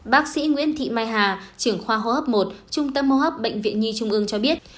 bác sĩ nguyễn thị mai hà trưởng khoa hô hấp một trung tâm hô hấp bệnh viện nhi trung ương cho biết